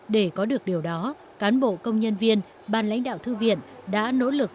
để có được điều đó cán bộ công nhân viên ban lãnh đạo thư viện đã nỗ lực